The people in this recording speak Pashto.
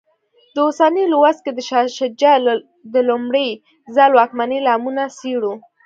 په اوسني لوست کې د شاه شجاع د لومړي ځل واکمنۍ لاملونه څېړو.